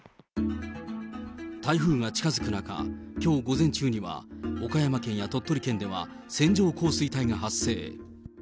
台風が近づく中、きょう午前中には、岡山県や鳥取県では線状降水帯が発生。